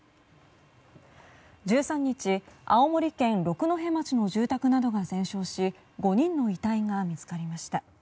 １３日、青森県六戸町の住宅などが全焼し５人の遺体が見つかりました。